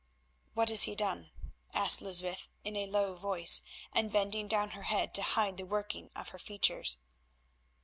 "What has he done?" asked Lysbeth in a low voice, and bending down her head to hide the working of her features.